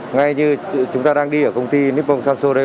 ngay như chúng ta đang đi ở công ty nippon sancho đây